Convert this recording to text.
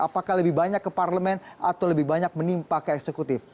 apakah lebih banyak ke parlemen atau lebih banyak menimpa ke eksekutif